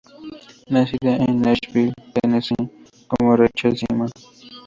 Nacida en Nashville, Tennessee, como Rachel Simon.